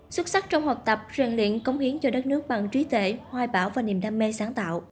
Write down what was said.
xuất sắc trong học tập rèn luyện cống hiến cho đất nước bằng trí tệ hoài bão và niềm đam mê sáng tạo